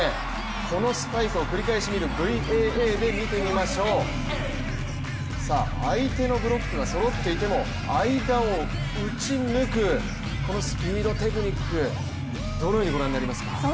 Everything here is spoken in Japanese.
このスパイクを繰り返し見るＶＡＡで見てみましょう相手のブロックがそろっていても間を打ち抜くこのスピード、テクニック、どのようにご覧になりますか？